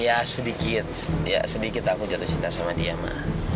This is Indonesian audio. ya sedikit ya sedikit aku jatuh cinta sama dia mah